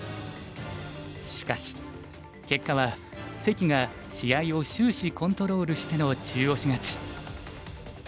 しかし結果は関が試合を終始コントロールしての中押し勝ち。